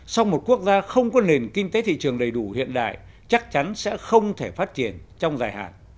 song một quốc gia không có nền kinh tế thị trường đầy đủ hiện đại chắc chắn sẽ không thể phát triển trong dài hạn